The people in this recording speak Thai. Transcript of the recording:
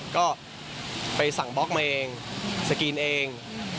ก็ไปสั่งบล็อกมาเองสกรีนเอง